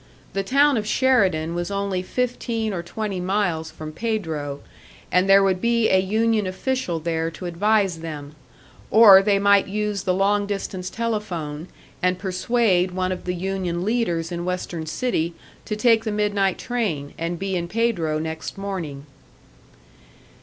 The town of Sheridan was only fifteen or twenty miles from Pedro, and there would be a union official there to advise them; or they might use the long distance telephone, and persuade one of the union leaders in Western City to take the midnight train, and be in Pedro next morning.